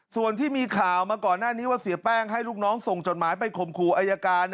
ส่วนที่มีข่าวมาก่อนหน้านี้ว่าเสียแป้งให้ลูกน้องส่งจดหมายไปข่มขู่อายการ